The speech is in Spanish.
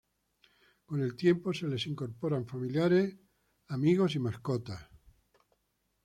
Con el tiempo se les incorporan familiares, amigos y mascotas.